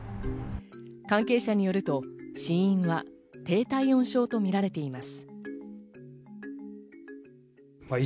関係者によると、死因は低体温症とみられています。